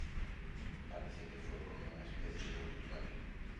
Parece que fue como una especie de obituario.